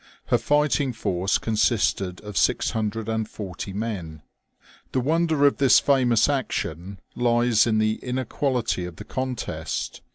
Her j&ghting force consisted of 640 men. The wonder of this famous action lies in the inequality of the contest.